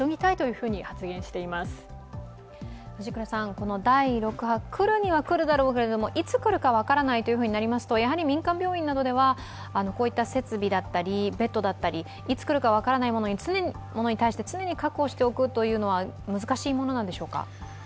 この第６波、来るには来るだろうけれどもいつ来るか分からないとなりますと民間病院などではこういった設備だったりベッドだったりいつ来るか分からないものに対して常に確保しておくのは難しいものなんでしょうか？